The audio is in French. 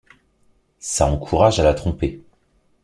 Ça encourage à la tromper.